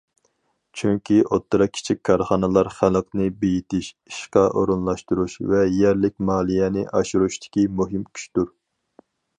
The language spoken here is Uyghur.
چۈنكى، ئوتتۇرا، كىچىك كارخانىلار خەلقنى بېيىتىش، ئىشقا ئورۇنلاشتۇرۇش ۋە يەرلىك مالىيەنى ئاشۇرۇشتىكى مۇھىم كۈچتۇر.